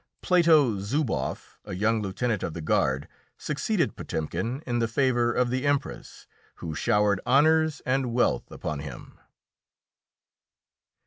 Plato Zouboff, a young lieutenant of the guard, succeeded Potemkin in the favour of the Empress, who showered honours and wealth upon him.